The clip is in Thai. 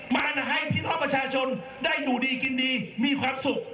มาให้พี่น้องประชาชนได้อยู่ดีกินดีมีความสุข